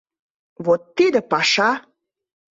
Вот тиде паша!